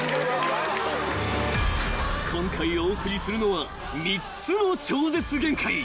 ［今回お送りするのは３つの超絶限界］